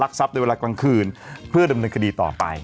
ทรัพย์ในเวลากลางคืนเพื่อดำเนินคดีต่อไป